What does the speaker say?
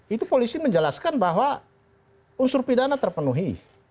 itu polisi menjelaskan bahwa unsur pidana terpenuhi